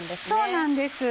そうなんです。